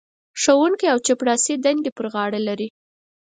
ښوونکی او چپړاسي دندې پر غاړه لري.